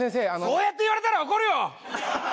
そうやって言われたら怒るよ！